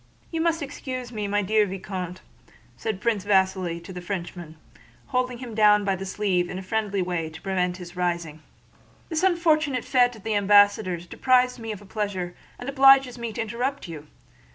"You must excuse me, dear Vicomte," said Prince Vasíli to the Frenchman, holding him down by the sleeve in a friendly way to prevent his rising. "This unfortunate fete at the ambassador's deprives me of a pleasure, and obliges me to interrupt you.